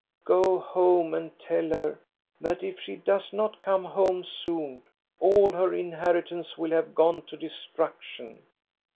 Go home and tell her that if she does not come home soon, all her inheritance will have gone to destruction.